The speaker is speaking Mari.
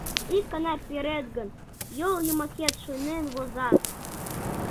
Ик гана перет гын, йол йымакет шуйнен возат!..